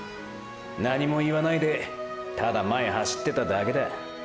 何も言わないでただ前走ってただけだ